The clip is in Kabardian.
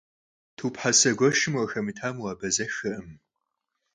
Tub hese gueşşım vuaxemıtame, vuabazexekhım.